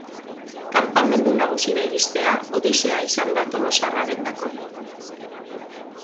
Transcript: Kanpamendu nagusira iristea odisea izan da tolosarrarendako.